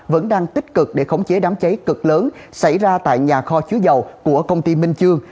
vẫn đang tích cực để khống chế đám cháy cực lớn xảy ra tại nhà kho chứa dầu của công ty minh chương